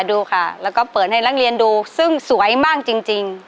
ดูค่ะแล้วก็เปิดให้นักเรียนดูซึ่งสวยมากจริง